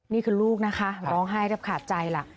นี่คือลูกนะคะร้องไห้เที่ยวขาดใจระ